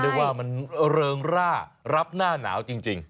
เรียกว่ามันเริงร่ารับหน้าหนาวจริง